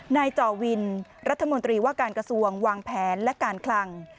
จอวินรัฐมนตรีว่าการกระทรวงวางแผนและการคลัง